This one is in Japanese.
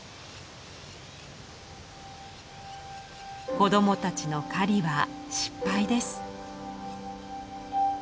子供たちの狩りは失敗です。